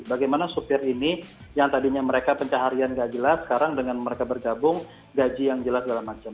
bagaimana sopir ini yang tadinya mereka pencaharian gak jelas sekarang dengan mereka bergabung gaji yang jelas dan lain macam